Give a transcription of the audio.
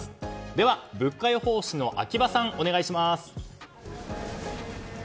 では物価予報士の秋葉さんお願いします。